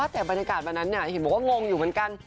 แต่บรรยากาศวันนั้นเห็นบอกว่างงอยู่เหมือนกัน